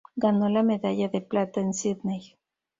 Ganó la medalla de plata en Sydney.